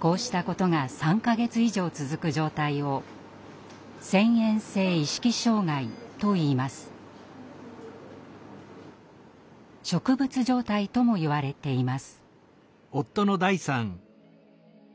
こうしたことが３か月以上続く状態を「植物状態」ともいわれています。